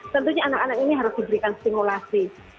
tentunya anak anak ini harus diberikan stimulasi